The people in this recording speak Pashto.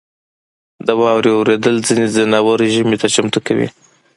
• د واورې اورېدل ځینې ځناور ژمي ته چمتو کوي.